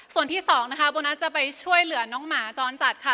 ส่วนที่สองนะคะโบนัสจะไปช่วยเหลือน้องหมาจรจัดค่ะ